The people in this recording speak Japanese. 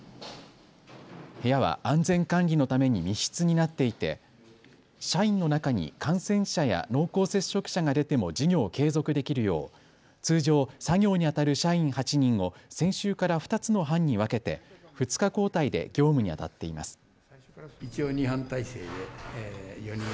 部屋は安全管理のために密室になっていて社員の中に感染者や濃厚接触者が出ても事業を継続できるよう通常、作業にあたる社員８人を先週から２つの班に分けて２日交代で業務にあたっています。